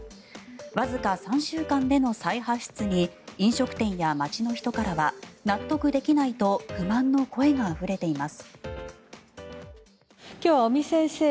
わずか３週間での再発出に飲食店や街の人からは納得できないと不満の声があふれています。